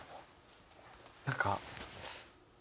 何か。